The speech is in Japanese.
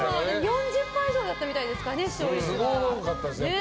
４０％以上だったみたいです視聴率が。